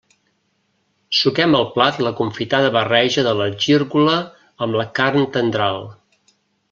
Suquem al plat la confitada barreja de la gírgola amb la carn tendral.